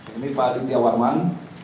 ini pak aditya warman